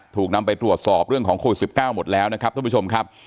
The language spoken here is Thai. ถูกนำไปตรวจสอบเรื่องของโควิด๑๙หมดแล้วนะครับท่านผู้ชมครับ